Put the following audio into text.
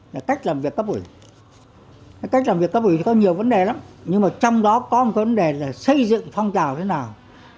là cách làm việc cấp ủi cái cách làm việc cấp ủi có nhiều vấn đề lắm nhưng mà trong đó có một cái vấn đề là xây dựng phong trào thế nào